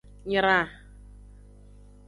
Nyra.